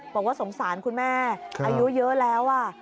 บอกว่าสงสารคุณแม่อายุเยอะแล้ว